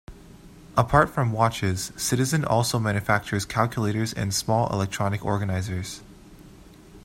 Apart from watches, Citizen also manufactures calculators and small electronic organizers.